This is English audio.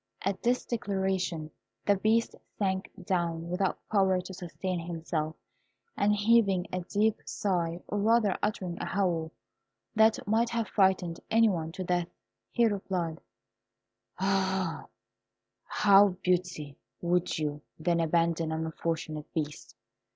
At this declaration the Beast sank down without power to sustain himself, and heaving a deep sigh, or rather uttering a howl that might have frightened any one to death, he replied, "How, Beauty! would you, then, abandon an unfortunate Beast?